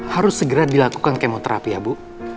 harus segera dilakukan kemoterapi ya bu